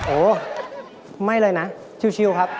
โอ้ไม่เลยนะชิลครับ